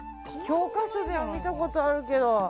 教科書では見たことあるけど。